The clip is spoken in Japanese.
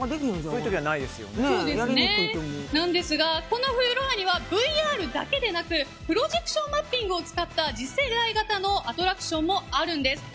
このフロアにはＶＲだけでなくプロジェクションマッピングを使った次世代型のアトラクションもあるんです。